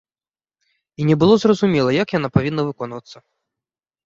І не было зразумела, як яна павінна выконвацца.